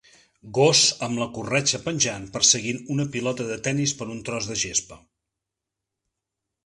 Gos amb la corretja penjant perseguint una pilota de tennis per un tros de gespa.